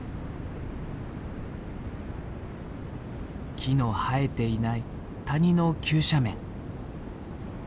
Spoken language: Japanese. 木の生えていない谷の急斜面。